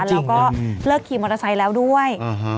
แล้วก็เลิกขี่มอเตอร์ไซค์แล้วด้วย